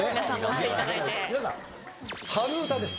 皆さん春うたです。